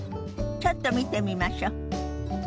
ちょっと見てみましょ。